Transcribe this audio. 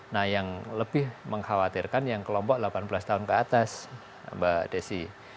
nah yang lebih mengkhawatirkan yang kelompok delapan belas tahun ke atas mbak desi